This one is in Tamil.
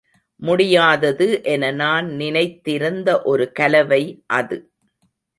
முடியாதது என நான் நினைத்திருந்த ஒரு கலவை அது.